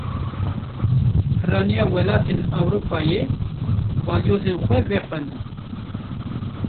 Piraniya welatên Ewropayê, balyozên xwe vexwendin